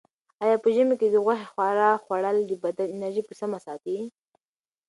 آیا په ژمي کې د غوښې ښوروا خوړل د بدن انرژي په سمه ساتي؟